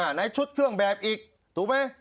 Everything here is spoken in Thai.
ในชุดเครื่องแบบอีกถูกไหม